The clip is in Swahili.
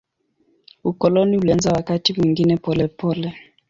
Ukoloni ulianza wakati mwingine polepole.